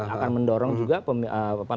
akan mendorong juga pilihan